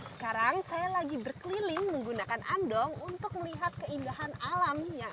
sekarang saya lagi berkeliling menggunakan andong untuk melihat keindahan alamnya